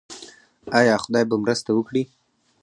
آیا خدای به مرسته وکړي؟